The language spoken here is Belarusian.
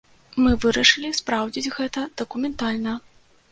Мы вырашылі спраўдзіць гэта дакументальна.